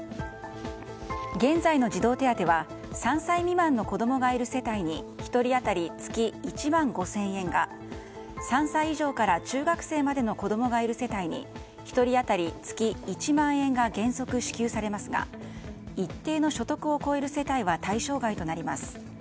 現在の児童手当は３歳未満の子供がいる世帯に１人当たり月１万５０００円が３歳以上から中学生までの子供がいる世帯に１人当たり月１万円が原則支給されますが一定の所得を超える世帯は対象外となります。